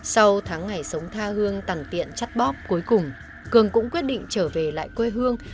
sau tháng ngày sống tha hương tằng tiện chắt bóp cuối cùng cường cũng quyết định trở về lại quê hương